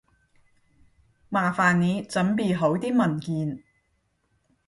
麻煩你準備好啲文件